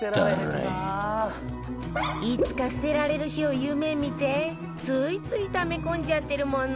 いつか捨てられる日を夢見てついついため込んじゃってるもの